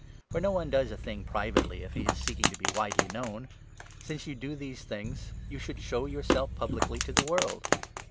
For no one does a thing privately, if he is seeking 4 to be widely known. Since you do these things, you should show yourself publicly to the world."